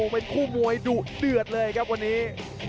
เป็นคู่มวยดุเดือดเลยครับวันนี้